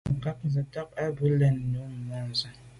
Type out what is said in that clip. Nə̀ cà gə tɔ́k á bû nə̀ lɛ̌n yù môndzə̀.